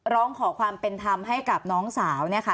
ร้องขอความเป็นธรรมให้กับน้องสาวเนี่ยค่ะ